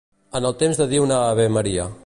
En el temps de dir una avemaria.